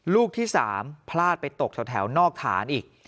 ลูกที่๓พลาดไปตกแถวนอกฐานอีก